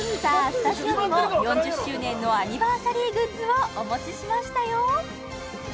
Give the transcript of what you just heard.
スタジオにも４０周年のアニバーサリーグッズをお持ちしましたよ